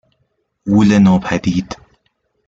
غولِ نوپدید